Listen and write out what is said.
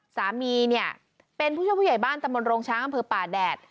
สามีเนี่ยเป็นผู้ช่วยผู้ใหญ่บ้านตำบลโรงช้างอำเภอป่าแดด